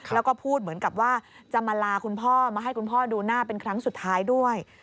แล้วก็พูดเหมือนกับว่าจะมาลาคุณพ่อมาให้คุณพ่อดูหน้าเป็นครั้งสุดท้ายด้วย